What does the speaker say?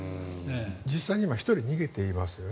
実際に今１人逃げていますよね。